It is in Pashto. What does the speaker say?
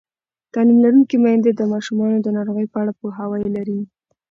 تعلیم لرونکې میندې د ماشومانو د ناروغۍ په اړه پوهاوی لري.